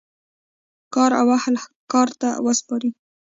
کار و اهل کار ته وسپارئ